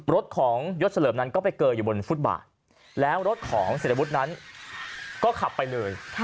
รถของยศเฉลิมนั้นก็ไปเกออยู่บนฟุตบาทแล้วรถของเศรษฐวุฒินั้นก็ขับไปเลย